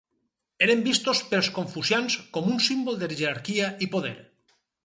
Eren vistos pels confucians com un símbol de jerarquia i poder.